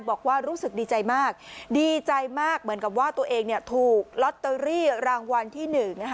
บอกว่ารู้สึกดีใจมากดีใจมากเหมือนกับว่าตัวเองถูกลอตเตอรี่รางวัลที่๑